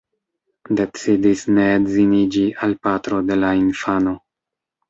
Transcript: Decidis ne edziniĝi al patro de la infano.